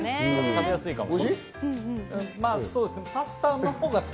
食べやすいかも。